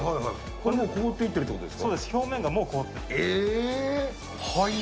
これ、もう凍っていってるってことですか？